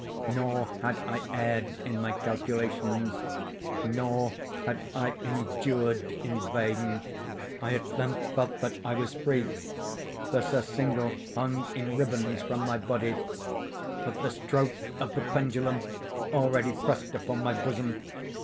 Nor had I erred in my calculations—nor had I endured in vain. I at length felt that I was free. The surcingle hung in ribands from my body. But the stroke of the pendulum already pressed upon my bosom.